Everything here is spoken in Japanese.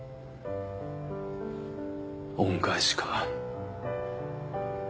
恩返しか。